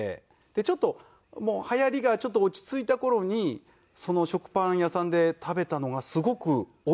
でちょっと流行りが落ち着いた頃にその食パン屋さんで食べたのがすごくおいしくてですね。